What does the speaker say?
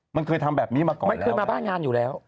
มันเคยทำแบบนี้มาก่อนมันเคยมาบ้านงานอยู่แล้ว